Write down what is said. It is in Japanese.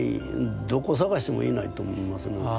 どこ探してもいないと思いますね。